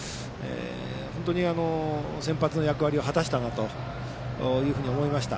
本当に先発の役割を果たしたなと思いました。